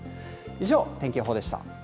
以上、天気予報でした。